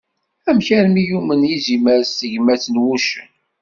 Amek armi yumen yizimer s tegmat n wuccen?